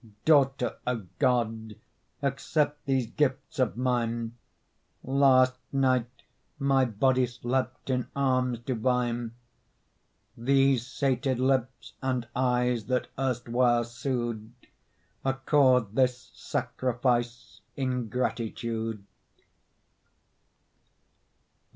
Daughter of God, accept These gifts of mine! Last night my body slept In arms divine. These sated lips and eyes That erstwhile sued, Accord this sacrifice In gratitude.